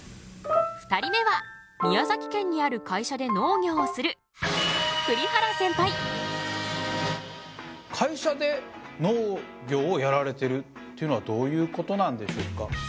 ２人目は宮崎県にある会社で農業をする会社で農業をやられてるっていうのはどういうことなんでしょうか？